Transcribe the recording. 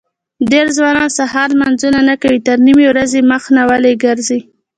دېری ځوانان سهار لمنځونه نه کوي تر نیمې ورځې مخ ناولي ګرځي.